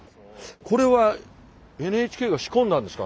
これはＮＨＫが仕込んだんですか？